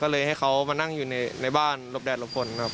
ก็เลยให้เขามานั่งอยู่ในบ้านหลบแดดหลบพลครับ